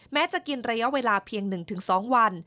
จะกินระยะเวลาเพียง๑๒วัน